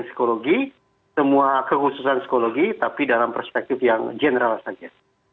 psikologi semua kekhususan psikologi tapi dalam perspektif yang general saja